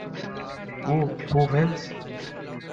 ওহ, ফু-- -ভ্যান্স!